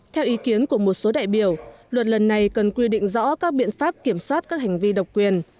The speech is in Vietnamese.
theo ý kiến của một số đại biểu luật lần này cần quy định rõ các biện pháp kiểm soát các hành vi độc quyền